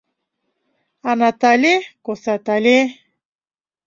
А Натале — косатале